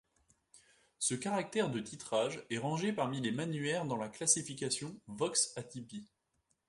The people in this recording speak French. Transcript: Ce caractère de titrage est rangé parmi les manuaires dans la classification Vox-Atypi.